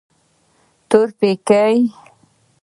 تورپيکۍ.